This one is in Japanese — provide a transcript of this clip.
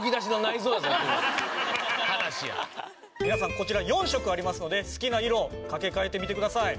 皆さんこちら４色ありますので好きな色をかけ替えてみてください。